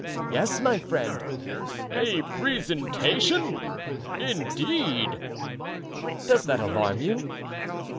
"Yes, my friend." "A presentation? indeed!" "Does that alarm you?"